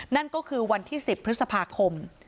นั่นก็คือวันที่๑๐พฤษภาคม